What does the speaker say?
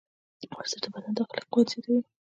ورزش د بدن داخلي قوت زیاتوي.